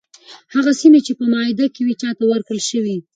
هغه سیمي چي په معاهده کي وي چاته ورکړل شوې؟